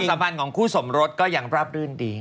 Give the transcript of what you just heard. สัมพันธ์ของคู่สมรสก็ยังราบรื่นดี